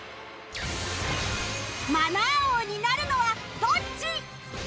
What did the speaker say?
マナー王になるのはどっち？